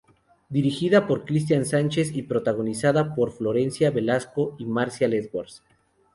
Dirigida por Cristian Sánchez y protagonizada por Florencia Velasco y Marcial Edwards.